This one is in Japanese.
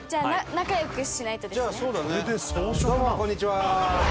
どうもこんにちは。